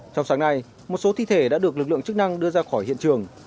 trong sáng nay một số thi thể đã được lực lượng chức năng đưa ra khỏi hiện trường